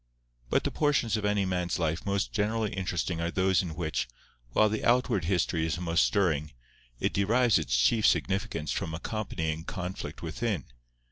But the portions of any man's life most generally interesting are those in which, while the outward history is most stirring, it derives its chief significance from accompanying conflict within.